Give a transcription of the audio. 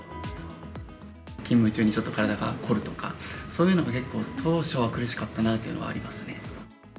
勤務中にちょっと体が凝るとか、そういうのが結構、当初は苦しかったなっていうのはありますね。